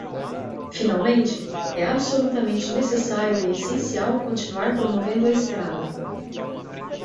Finalmente, é absolutamente necessário e essencial continuar promovendo a estrada.